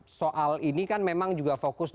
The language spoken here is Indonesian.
karena soal ini kan memang juga fokus nih